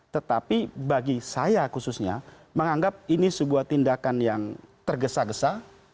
tetapi bagi saya khususnya menganggap ini sebuah tindakan yang tergesa gesa